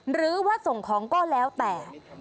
หรือว่าส่งของก็แล้วแต่